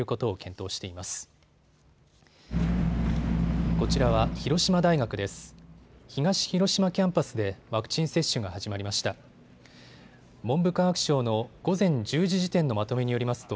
東広島キャンパスでワクチン接種が始まりました。